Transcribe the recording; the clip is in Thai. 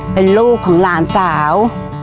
เป็นลูกของหลานสาว